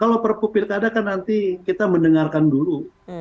kalau perpupilkada kan nanti kita mendengarkan dulu